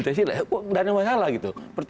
tidak ada masalah gitu